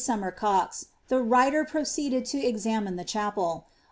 Somers Cocks, the writer pio ceeded to examine the chapel.